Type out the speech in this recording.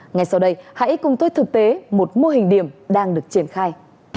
ngay sau đây hãy cùng tôi thực tế một mô hình điểm đang được triển khai